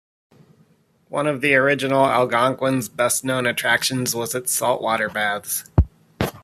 One of the original Algonquin's best known attractions was its saltwater baths.